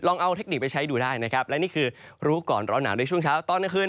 เอาเทคนิคไปใช้ดูได้นะครับและนี่คือรู้ก่อนร้อนหนาวในช่วงเช้าตอนกลางคืน